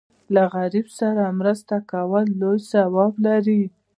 له غریب سره مرسته کول لوی ثواب لري.